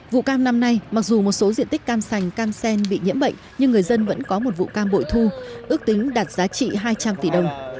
vụ cam năm nay mặc dù một số diện tích cam sành cam sen bị nhiễm bệnh nhưng người dân vẫn có một vụ cam bội thu ước tính đạt giá trị hai trăm linh tỷ đồng